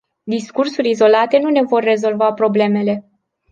Discursuri izolate nu ne vor rezolva problemele.